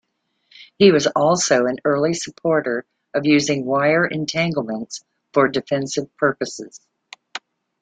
He was also an early supporter of using wire entanglements for defensive purposes.